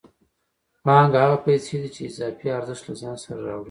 پانګه هغه پیسې دي چې اضافي ارزښت له ځان سره راوړي